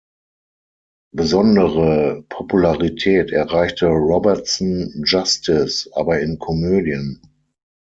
Besondere Popularität erreichte Robertson-Justice aber in Komödien.